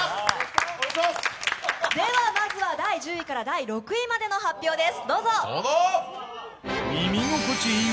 まずは第１０位から第６位までの発表です。